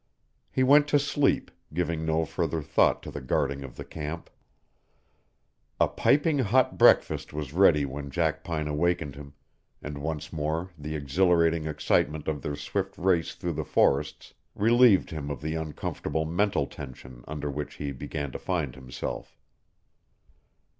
He went to sleep, giving no further thought to the guarding of the camp. A piping hot breakfast was ready when Jackpine awakened him, and once more the exhilarating excitement of their swift race through the forests relieved him of the uncomfortable mental tension under which he began to find himself.